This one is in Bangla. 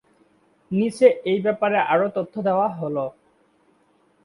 নিচে এই ব্যাপারে আরও তথ্য দেয়া হলঃ